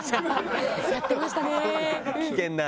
やってましたね。